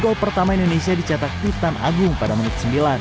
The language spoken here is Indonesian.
gol pertama indonesia dicatat titan agung pada menit sembilan